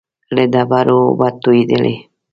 له ډبرو اوبه را تويېدلې.